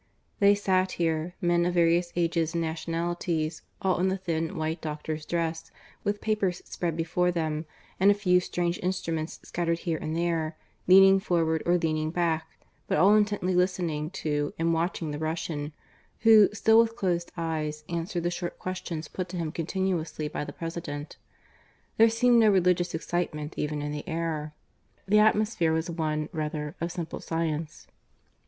They sat here, men of various ages and nationalities, all in the thin white doctor's dress, with papers spread before them, and a few strange instruments scattered here and there, leaning forward or leaning back, but all intently listening to and watching the Russian, who, still with closed eyes, answered the short questions put to him continuously by the President. There seemed no religious excitement even in the air; the atmosphere was one, rather, of simple science.